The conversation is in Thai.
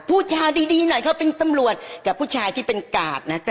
พูดจาดีหน่อยเขาเป็นตำรวจกับผู้ชายที่เป็นกาดนะคะ